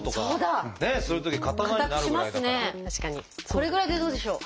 これぐらいでどうでしょう？